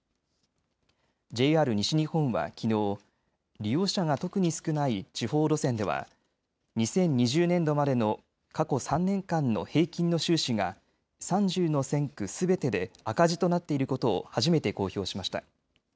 ＪＲ西日本はきのう、利用者が特に少ない地方路線では２０２０年度までの過去３年間の平均の収支が３０の線区すべてで赤字となっていることを初めて公表しました。